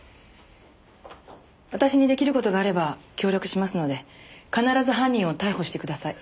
私に出来る事があれば協力しますので必ず犯人を逮捕してください。